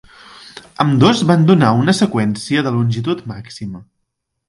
Ambdós van donar una seqüència de longitud màxima.